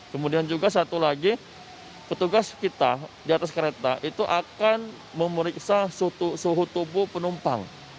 kemudian juga satu lagi petugas kita di atas kereta itu akan memeriksa suhu tubuh penumpang